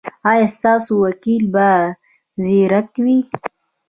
ایا ستاسو وکیل به زیرک وي؟